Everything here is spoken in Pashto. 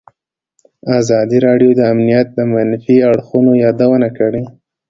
ازادي راډیو د امنیت د منفي اړخونو یادونه کړې.